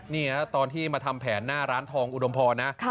นี่ตอนที่มาทำแผนหน้าร้านทองอุดมพรนะ